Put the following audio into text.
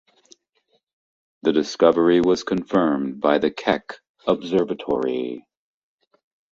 The discovery was confirmed by the Keck Observatory.